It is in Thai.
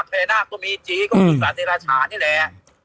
เพราะละก็มีจริงก็มีความสังสรรค์ในราชานี่แหละ